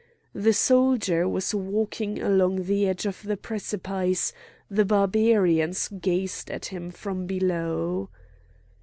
The soldier was walking along the edge of the precipice; the Barbarians gazed at him from below.